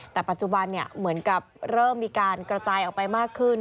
แต่ปัจจุบันเหมือนกับเริ่มมีการกระจายออกไปมากขึ้น